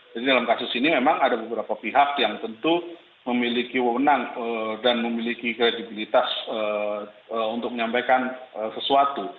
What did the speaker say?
jadi dalam kasus ini memang ada beberapa pihak yang tentu memiliki wawonan dan memiliki kredibilitas untuk menyampaikan sesuatu